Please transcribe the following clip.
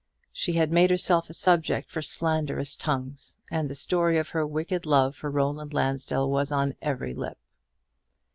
She had made herself a subject for slanderous tongues, and the story of her wicked love for Roland Lansdell was on every lip.